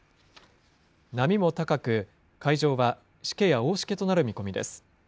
波も高く、海上はしけや大しけとなる見込みです。